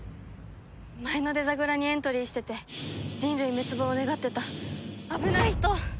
前のデザグラにエントリーしてて人類滅亡を願ってた危ない人。